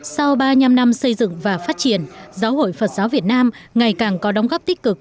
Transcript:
sau ba mươi năm năm xây dựng và phát triển giáo hội phật giáo việt nam ngày càng có đóng góp tích cực